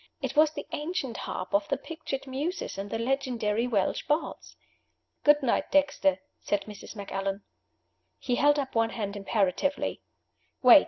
It was the ancient harp of the pictured Muses and the legendary Welsh bards. "Good night, Dexter," said Mrs. Macallan. He held up one hand imperatively. "Wait!"